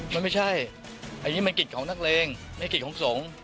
มันไม่ใช่อันนี้มันกฤทธิ์ของนักเลง